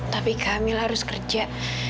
tapi kak mila harus kerja